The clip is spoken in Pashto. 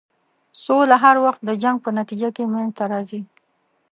سوله هر وخت د جنګ په نتیجه کې منځته راځي.